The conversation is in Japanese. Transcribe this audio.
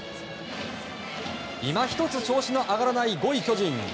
今ひとつ調子の上がらない５位、巨人。